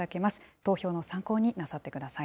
投票の参考になさってください。